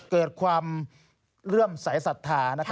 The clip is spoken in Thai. เกิดความเลื่อมสายศรัทธา